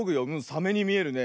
サメにみえるね。